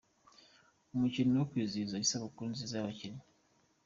Imikino yo kwizihiza isabukuru nziza abakinnyi